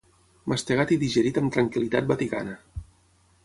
Mastegat i digerit amb tranquil·litat vaticana.